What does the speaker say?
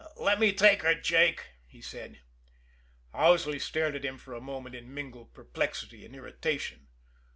"Let me take her, Jake," he said. Owsley stared at him for a moment in mingled perplexity and irritation.